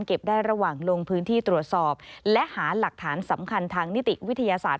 ได้ระหว่างลงพื้นที่ตรวจสอบและหาหลักฐานสำคัญทางนิติวิทยาศาสตร์